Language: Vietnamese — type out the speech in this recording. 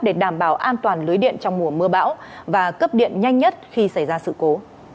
để đảm bảo an toàn lưới điện trong mùa mưa bão và cấp điện nhanh nhất khi xảy ra sự cố